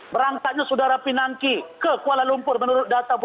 berangkatnya saudara pinangki ke kuala lumpur menurut data